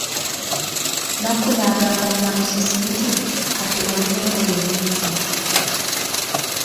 Nakku n'agamba Namusisi nti, kati olina engoye nnyingi.